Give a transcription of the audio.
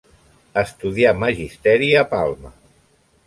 Estudià magisteri a Palma.